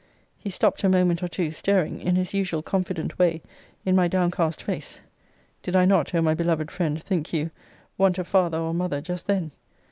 He stopped a moment or two, staring in his usual confident way, in my downcast face, [Did I not, O my beloved friend, think you, want a father or a mother just then?